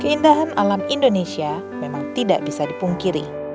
keindahan alam indonesia memang tidak bisa dipungkiri